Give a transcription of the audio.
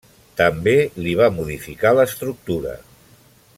També li va modificar l'estructura.